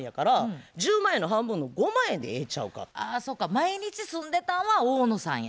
毎日住んでたんは大野さんや。